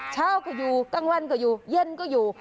เช้าก็อยู่กลางวันก็อยู่เย็นก็อยู่